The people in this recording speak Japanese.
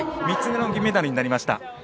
３つ目の銀メダルになりました。